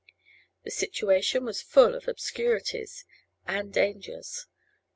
The situation was full of obscurities and dangers.